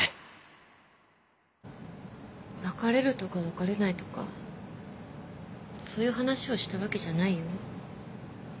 別れるとか別れないとかそういう話をしたわけじゃないよ。